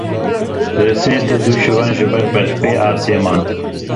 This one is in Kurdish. Li Sêrtê du şivan ji ber berfê asê man.